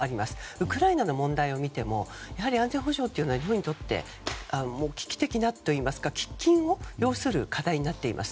ウクライナの問題を見ても安全保障というのは日本にとって危機的なというか喫緊を要する課題になっています。